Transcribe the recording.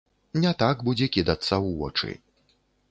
Не так будзе кідацца ў вочы.